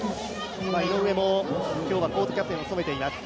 井上も今日はコートキャプテンを務めています。